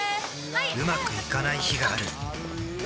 うまくいかない日があるうわ！